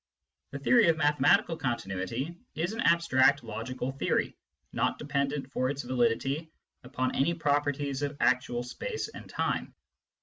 The theory of mathematical continuity is an abstract logical theory, not dependent for its validity upon any properties of actual space and time.